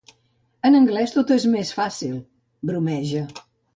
En anglès tot és més fàcil —bromeja—.